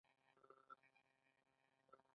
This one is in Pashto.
د لمر ګل تخم څنګه وریت کړم؟